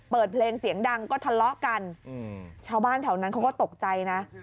เปิดเพลงเสียงดังก็ทลอกกันอืมชาวบ้านเฉ่านั้นเขาก็ตกใจน่ะ